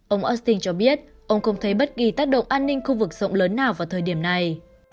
ông austin cho biết ông không thấy bất kỳ tác động an ninh khu vực rộng lớn nào vào thời điểm này